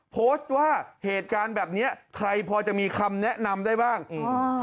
โพสต์ว่าเหตุการณ์แบบเนี้ยใครพอจะมีคำแนะนำได้บ้างอืม